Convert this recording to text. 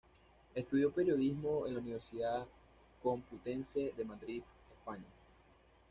Estudió periodismo en la Universidad Complutense de Madrid, España.